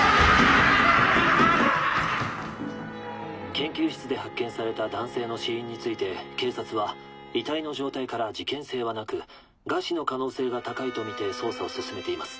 「研究室で発見された男性の死因について警察は遺体の状態から事件性はなく餓死の可能性が高いと見て捜査を進めています。